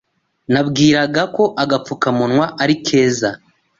Nabwiraga ko agapfukamunwa ari keza!